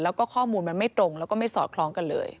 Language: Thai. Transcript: แล้วก็ข้อมูลมันไม่ตรงแล้วก็ไม่สอดคล้องกันเลย